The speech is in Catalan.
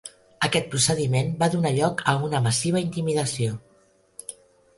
Aquest procediment va donar lloc a una massiva intimidació.